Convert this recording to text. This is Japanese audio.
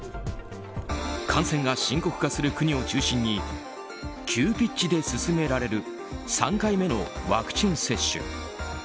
感染が深刻化する国を中心に急ピッチで進められる３回目のワクチン接種。